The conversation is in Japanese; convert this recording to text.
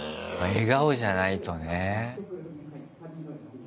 笑顔じゃないとね。